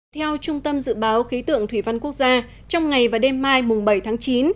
theo trung tâm dự báo khí tượng thủy văn quốc gia trong ngày và đêm mai bảy chín